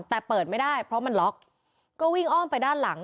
แต่เปิดไม่ได้เพราะมันล็อกก็วิ่งอ้อมไปด้านหลัง